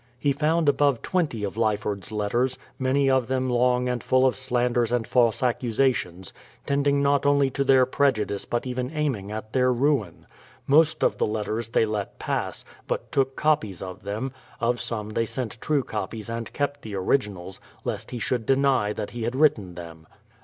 He found above twenty of Lyford's letters, many of them long and full of slanders and false accusations, tending not only to their prejudice but even aiming at their ruin. Most of the letters they let pass, but took copies of them; of some they sent true copies and THE PLYMOUTH SETTLEIVIENT 147 kept the originals, lest he should deny that he had written them.